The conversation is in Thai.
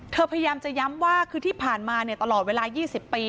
พยายามจะย้ำว่าคือที่ผ่านมาตลอดเวลา๒๐ปี